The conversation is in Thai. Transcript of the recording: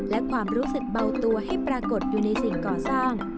และความรู้สึกเบาตัวให้ปรากฏอยู่ในสิ่งก่อสร้าง